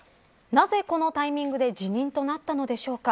なぜ、このタイミングで辞任となったのでしょうか。